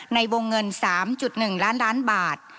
ในวงเงิน๓๑ล้านล้านบาท